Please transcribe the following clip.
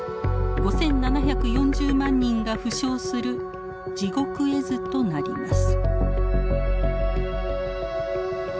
５，７４０万人が負傷する地獄絵図となります。